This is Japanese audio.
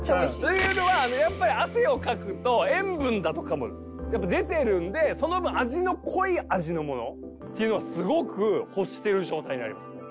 というのはやっぱり汗をかくと塩分だとかもやっぱり出てるんでその分濃い味のものっていうのはすごく欲してる状態になります。